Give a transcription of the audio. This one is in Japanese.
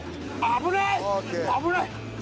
危ない。